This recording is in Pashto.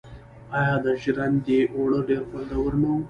آیا د ژرندې اوړه ډیر خوندور نه وي؟